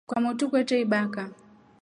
Kwamotu kwetre baka.